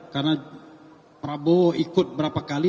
karena prabowo ikut berapa kali